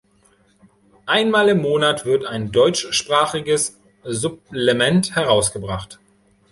Einmal im Monat wird ein deutschsprachiges Supplement herausgebracht.